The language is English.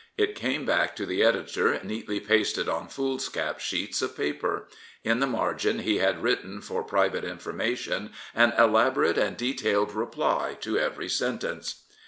It came back to the editor neatly pasted on foolscap sheets of paper. In the margin he had written for private information an elaborate and detailed reply to every sentence.